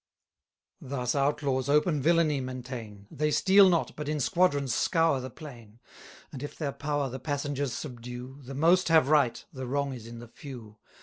Thus outlaws open villainy maintain, They steal not, but in squadrons scour the plain; And if their power the passengers subdue, The most have right, the wrong is in the few.